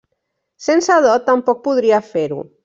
Sense dot, tampoc podria fer-ho.